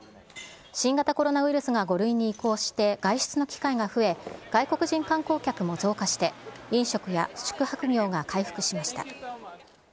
新型コロナウイルスが５類に移行して、外出の機会が増え、外国人観光客も増加して、飲食や宿泊業が回復しました。